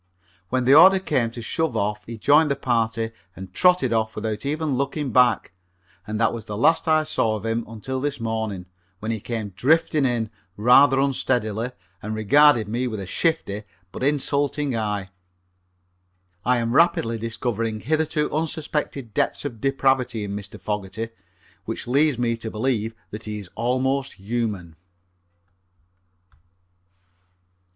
When the order come to shove off he joined the party and trotted off without even looking back, and that was the last I saw of him until this morning, when he came drifting in, rather unsteadily, and regarded me with a shifty but insulting eye. I am rapidly discovering hitherto unsuspected depths of depravity in Mr. Fogerty, which leads me to believe that he is almost human.